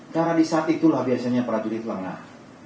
karena di saat itulah biasanya para judi telah menang